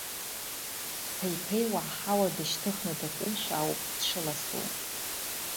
Дԥеиԥеиуа аҳауа дышьҭыхны дакушәа ауп дшыласу.